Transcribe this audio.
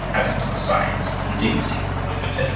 added to the size and dignity of the flotilla.